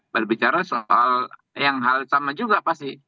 berbicara soal yang hal sama juga pasti